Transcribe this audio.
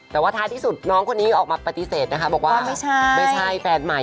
แต่ว่าท้ายที่สุดน้องคนนี้ออกมาปฏิเสธนะคะบอกว่าไม่ใช่แฟนใหม่